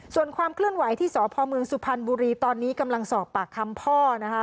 ส่วนความเคลื่อนไหวที่สพเมืองสุพรรณบุรีตอนนี้กำลังสอบปากคำพ่อนะคะ